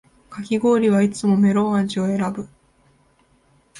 かき氷はいつもメロン味を選ぶ